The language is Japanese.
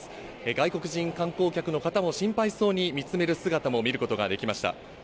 外国人観光客の方も心配そうに見つめる姿も見ることができました。